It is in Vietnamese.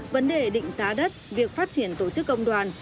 vấn đề định giá đất việc phát triển tổ chức công đoàn